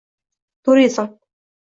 Turizm